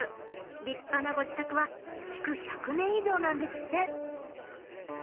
立派なご自宅は築１００年以上なんですって！